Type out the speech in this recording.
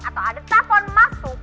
atau ada telepon masuk